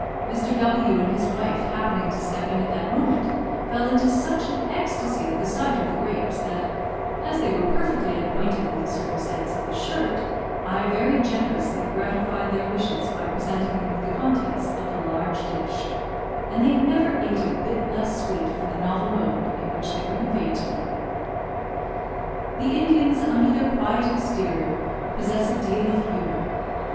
Mr. W and his wife happening to step in at that moment, fell into such an ecstasy at the sight of the grapes, that, as they were perfectly unacquainted with the circumstance of the shirt, I very generously gratified their wishes by presenting them with the contents of the large dish; and they never ate a bit less sweet for the novel mode in which they were conveyed to me! The Indians, under their quiet exterior, possess a deal of humour.